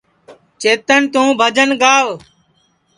چیتن توں بھجن گاو